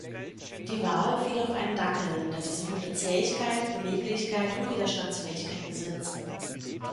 Die Wahl fiel auf einen Dackel, da diese Hunde Zähigkeit, Beweglichkeit und Widerstandsfähigkeit besitzen.